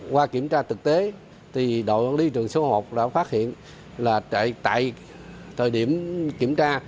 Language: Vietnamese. qua kiểm tra thực tế thì đội quản lý trường số một đã phát hiện là tại thời điểm kiểm tra